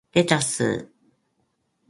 レタス